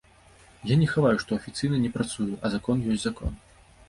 Я не хаваю, што афіцыйна не працую, а закон ёсць закон.